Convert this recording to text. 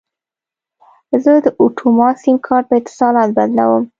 زه د اټوما سیم کارت په اتصالات بدلوم.